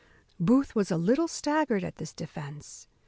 Booth was a little staggered at this defence.